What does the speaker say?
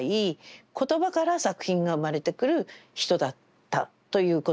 言葉から作品が生まれてくる人だったということは言えると思います。